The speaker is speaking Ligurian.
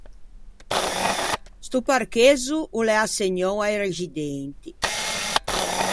Sto parchezzo o l’é assegnou a-i rexidenti.